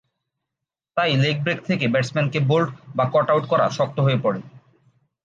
তাই leg break থেকে ব্যাটসম্যানকে বোল্ড বা কট আউট করা শক্ত হয়ে পড়ে।